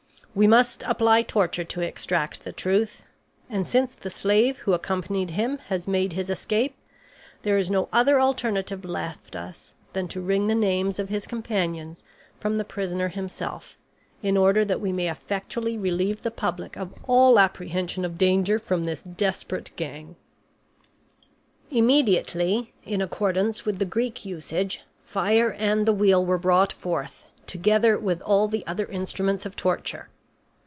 We must apply torture to extract the truth; and since the slave who accompanied him has made his escape, there is no other alternative left us than to wring the names of his companions from the prisoner himself, in order that we may effectually relieve the public of all apprehension of danger from this desperate gang." Immediately, in accordance with the Greek usage, fire and the wheel were brought forth, together with all the other instruments of torture.